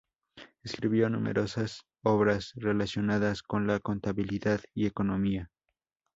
Escribió numerosas obras relacionadas con la contabilidad y economía.